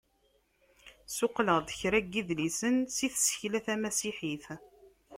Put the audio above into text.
Suqleɣ-d kra n yidlisen si tsekla tamasiḥit.